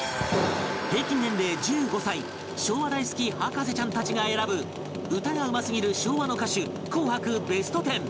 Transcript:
平均年齢１５歳昭和大好き博士ちゃんたちが選ぶ歌がうますぎる昭和の歌手紅白ベストテン